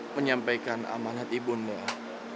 menyampaikan amanat ibu undah